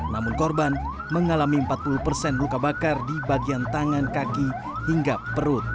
namun korban mengalami empat puluh persen luka bakar di bagian tangan kaki hingga perut